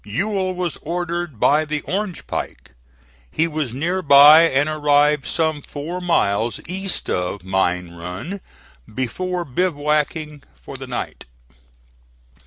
Ewell was ordered by the Orange Pike. He was near by and arrived some four miles east of Mine Run before bivouacking for the night.